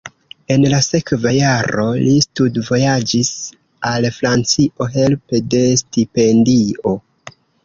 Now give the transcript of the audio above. En la sekva jaro li studvojaĝis al Francio helpe de stipendio.